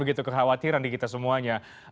kekhawatiran di kita semuanya